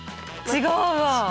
違うわ。